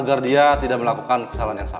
agar dia tidak melakukan kesalahan yang sama